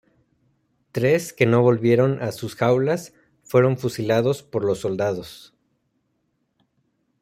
Tres que no volvieron a sus jaulas fueron fusilados por los soldados.